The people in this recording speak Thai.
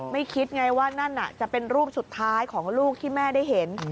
คิดไงว่านั่นจะเป็นรูปสุดท้ายของลูกที่แม่ได้เห็น